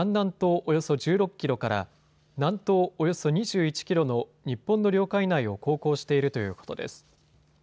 およそ１６キロから南東およそ２１キロの日本の領海内を航行しているということです。